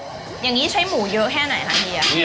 อย่างนี้ใช้หมูเยอะแค่ไหนคะเฮีย